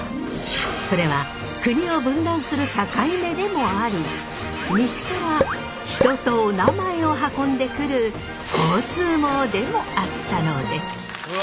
それは国を分断する境目でもあり西から人とおなまえを運んでくる交通網でもあったのです。